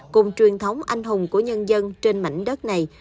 cùng truyền thống anh hùng của nhân dân trên mảnh đất này